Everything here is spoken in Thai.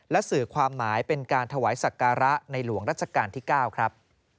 และสื่อความหมายเป็นการถวายศักระในหลวงรัชกาลที่๙ครับ